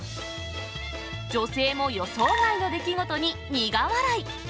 女性も予想外の出来事に苦笑い。